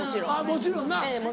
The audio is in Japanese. もちろんな。